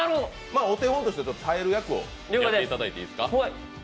お手本として耐える役をやっていただいていいですか？